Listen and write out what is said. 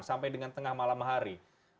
sampai dengan tengah malam hari